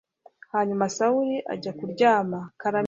hanyuma sawuli ajya kuryama